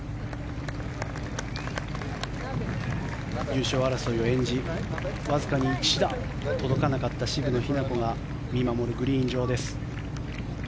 優勝争いを演じわずかに１打届かなかった渋野日向子が見守るグリーン上です。